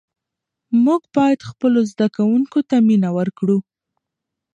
موږ باید خپلو زده کوونکو ته مینه ورکړو.